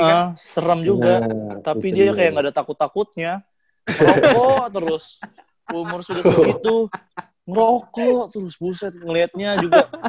ya serem juga tapi dia kayak gak ada takut takutnya rokok terus umur sudah begitu ngerokok terus buset ngelihatnya juga